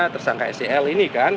tersangka sel ini kan